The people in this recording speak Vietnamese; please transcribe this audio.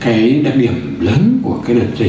cái đặc điểm lớn của cái đợt dịch này là